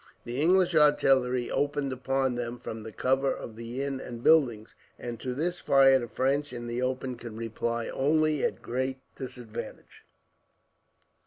The English artillery opened upon them from the cover of the inn and buildings, and to this fire the French in the open could reply only at a great disadvantage.